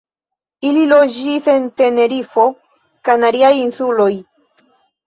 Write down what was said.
Ili loĝis en Tenerifo, Kanariaj insuloj.